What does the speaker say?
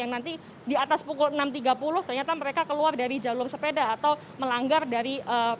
yang nanti di atas pukul enam tiga puluh ternyata mereka keluar dari jalur sepeda atau melanggar dari